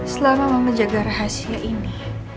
selama mama jaga rahasia ini